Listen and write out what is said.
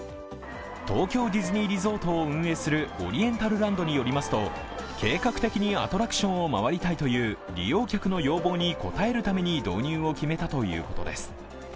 東京ディズニーリゾートを運営するオリエンタルランドによりますと計画的にアトラクションを回りたいという利用客の要望に応えるために導入を決めたということです。